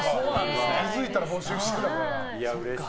気づいたら募集してたから。